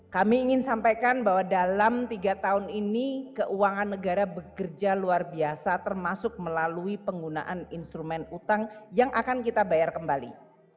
kami ingin sampaikan bahwa dalam tiga tahun ini keuangan negara bekerja luar biasa termasuk melalui penggunaan instrumen utang yang akan kita bayar kembali